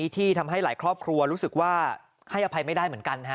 ที่ทำให้หลายครอบครัวรู้สึกว่าให้อภัยไม่ได้เหมือนกัน